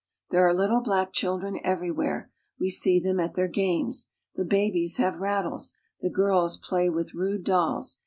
There are little black children everywhere. We see them at their games. The babies have rattles. The girls play with rude dolls.